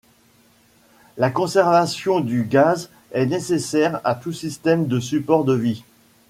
La conservation du gaz est nécessaire à tout système de support de vie.